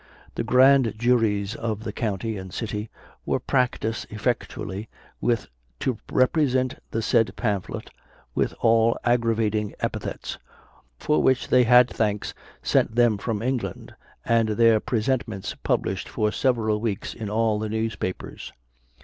The grand juries of the county and city were practised effectually with to represent the said pamphlet with all aggravating epithets, for which they had thanks sent them from England, and their presentments published for several weeks in all the newspapers.